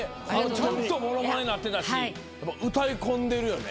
ちゃんとものまねなってたし歌い込んでるよね。